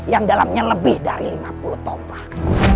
yang dalamnya lebih dari lima puluh tombak